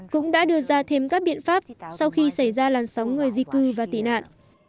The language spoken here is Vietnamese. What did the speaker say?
cũng đã đưa ra thêm các biện pháp sau khi xảy ra làn sóng người di cư và tị nạn